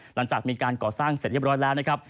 หลังจากมีการก่อสร้างเสร็จเรียบร้อยแล้วนะครับ